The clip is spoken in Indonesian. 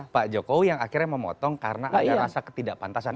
pak jokowi yang akhirnya memotong karena ada rasa ketidakpantasan